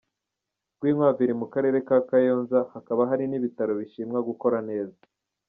Rwinkwavu iri mu karere ka Kayonza, hakaba hari n’ibitaro bishimwa gukora neza.